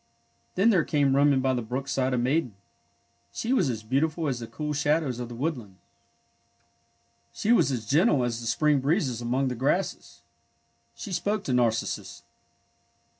Then there came roaming by the brook side a maiden. She was as beautiful as the cool shadows of the woodland. She was as gentle 25 26 THE NARCISSUS AND TULIP as the spring breezes among the grasses. She spoke to Narcissus.